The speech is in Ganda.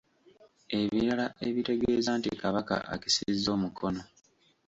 Ebirala ebitegeeza nti Kabaka akisizza omukono